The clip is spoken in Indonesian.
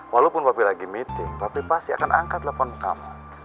walaupun bapi lagi meeting tapi pasti akan angkat telepon kamu